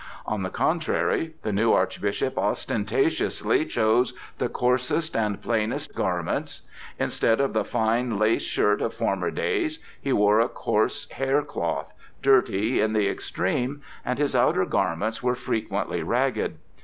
On the contrary, the new Archbishop ostentatiously chose the coarsest and plainest garments. Instead of the fine lace shirt of former days he wore a coarse haircloth, dirty in the extreme, and his outer garments were frequently ragged.